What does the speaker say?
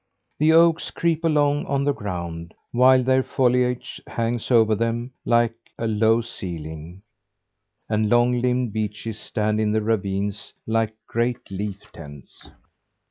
The oaks creep along on the ground, while their foliage hangs over them like a low ceiling; and long limbed beeches stand in the ravines like great leaf tents.